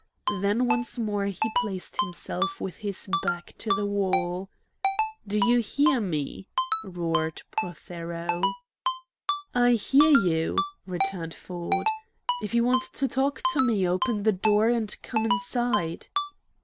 Then once more he placed himself with his back to the wall. "Do you hear me?" roared Prothero. "I hear you!" returned Ford. "If you want to talk to me, open the door and come inside."